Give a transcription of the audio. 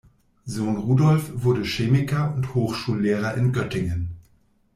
Sohn Rudolf wurde Chemiker und Hochschullehrer in Göttingen.